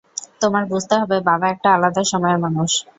তোমার বুঝতে হবে, বাবা একটা আলাদা সময়ের মানুষ।